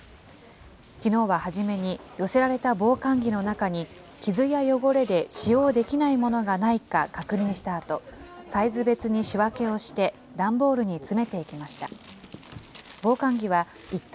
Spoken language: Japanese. きのうは初めに寄せられた防寒着の中に、傷や汚れで使用できないものがないか確認したあと、サイズ別に仕分けをして、段ボールに詰めていきました。